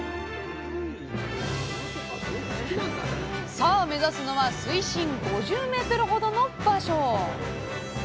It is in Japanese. さあ目指すのは水深５０ｍほどの場所。